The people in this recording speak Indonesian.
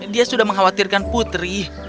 dia sudah mengkhawatirkan putri